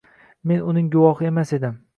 Men uning guvohi emas edim.